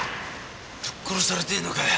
ぶっ殺されてぇのかよ。